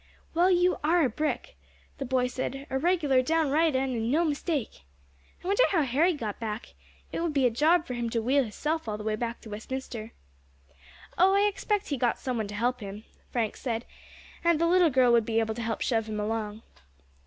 "Well, you are a brick!" the boy said, "a regular downright un, and no mistake. I wonder how Harry got back; it would be a job for him to wheel hisself all the way back to Westminster." "Oh, I expect he got some one to help him," Frank said; "and the little girl would be able to help shove him along."